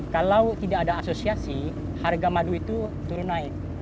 kalau tidak ada asosiasi harga madu itu turun naik